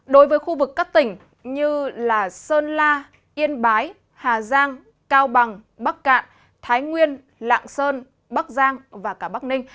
đối với khu vực các tỉnh như sơn la yên bái hà giang cao bằng bắc cạn thái nguyên lạng sơn bắc giang và cả bắc ninh